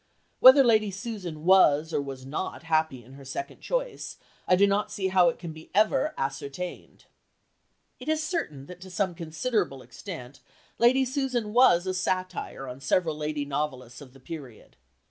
Whether Lady Susan was or was not happy in her second choice, I do not see how it can ever be ascertained...." It is certain that to some considerable extent Lady Susan was a satire on several lady novelists of the period.